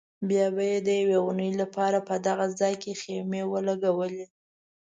بیا به یې د یوې اونۍ لپاره په دغه ځای کې خیمې ولګولې.